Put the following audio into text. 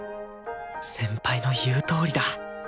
先輩の言うとおりだ！